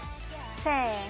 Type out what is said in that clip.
せの。